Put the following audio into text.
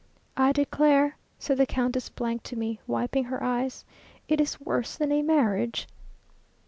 "I declare," said the Countess to me, wiping her eyes, "it is worse than a marriage!"